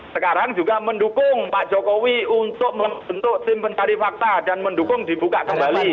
sekarang juga mendukung pak jokowi untuk menentuk simpencari fakta dan mendukung dibuka kembali